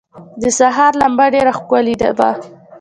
د سهار لمبه ډېره ښکلي وه.